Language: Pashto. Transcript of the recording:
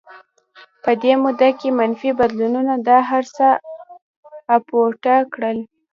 په دې موده کې منفي بدلونونو دا هرڅه اپوټه کړل